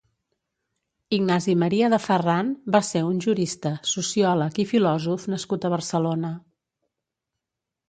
Ignasi Maria de Ferran va ser un jurista, sociòleg i filòsof nascut a Barcelona.